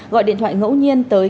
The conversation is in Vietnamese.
gọi điện thoại ngẫu nhiên tới